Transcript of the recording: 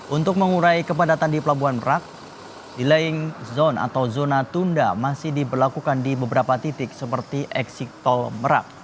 untuk mengurai kepadatan di pelabuhan merak delaying zone atau zona tunda masih diberlakukan di beberapa titik seperti exit tol merak